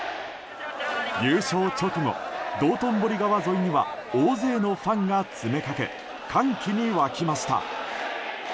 優勝直後、道頓堀川沿いには大勢のファンが詰めかけ歓喜に沸きました。